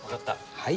はい。